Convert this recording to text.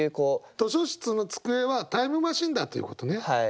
図書室の机はタイムマシンだということね。